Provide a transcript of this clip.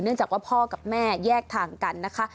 เนื่องจากว่าพอกับแม่แยกทางกันนะคะ